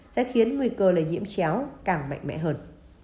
sẽ khiến nguy cơ lây nhiễm chéo càng mạnh mẽ hơn